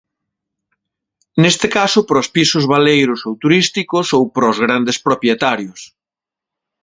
Neste caso para os pisos baleiros ou turísticos ou para os grandes propietarios.